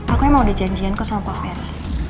aku emang udah janjianku sama pak ferry